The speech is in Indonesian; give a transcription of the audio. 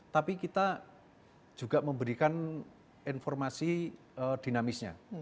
tapi kita juga memberikan informasi dinamisnya